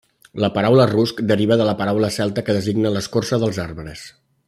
La paraula rusc deriva de la paraula celta que designa l'escorça dels arbres.